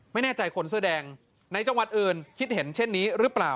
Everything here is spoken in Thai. ไม่แน่ใจคนเสื้อแดงในจังหวัดอื่นคิดเห็นเช่นนี้หรือเปล่า